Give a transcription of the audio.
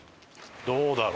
どうだろう。